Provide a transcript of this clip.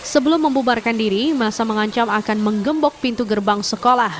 sebelum membubarkan diri masa mengancam akan menggembok pintu gerbang sekolah